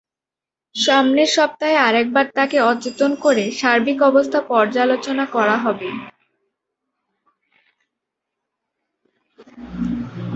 সামনের সপ্তাহে আরেকবার তাকে অচেতন করে সার্বিক অবস্থা পর্যালোচনা করা হবে।